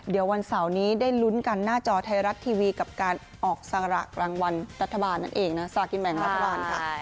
เดี๋ยววันเสาร์นี้ได้ลุ้นกันหน้าจอไทยรัฐทีวีกับการออกสระรางวัลรัฐบาลนั่นเองนะสลากินแบ่งรัฐบาลค่ะ